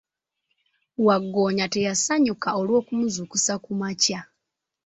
Wagggoonya teyasanyuka olw'okumuzuukusa ku makya.